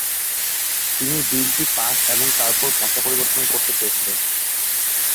তিনি বিলটি পাস এবং তারপর ভাষা পরিবর্তন করতে চেয়েছিলেন।